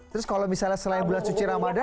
terus kalau misalnya selain bulan cuci ramadhan